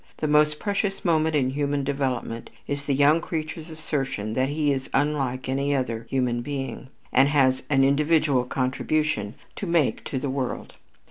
The most precious moment in human development is the young creature's assertion that he is unlike any other human being, and has an individual contribution to make to the world.